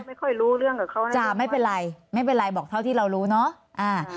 ไม่ค่อยรู้เรื่องกับเขาจะไม่เป็นไรไม่เป็นไรบอกเท่าที่เรารู้เนอะอ่า